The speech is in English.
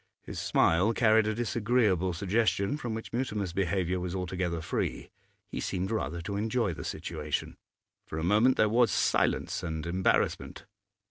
His smile carried a disagreeable suggestion from which Mutimer's behaviour was altogether free; he rather seemed to enjoy the situation. For a moment there was silence and embarrassment.